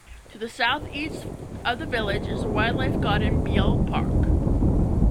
To the south-east of the village is the wildlife garden Beale Park.